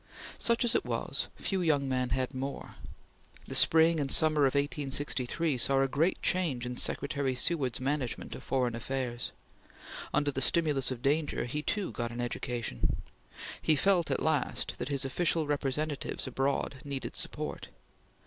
Such as it was, few young men had more. The spring and summer of 1863 saw a great change in Secretary Seward's management of foreign affairs. Under the stimulus of danger, he too got education. He felt, at last, that his official representatives abroad needed support.